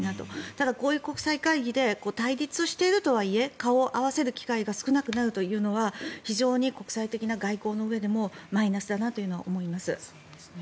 ただ、こういう国際会議で対立しているとはいえ顔を合わせる機会が少なくなるというのは非常に国際的な外交のうえでもマイナスだなというのは思います。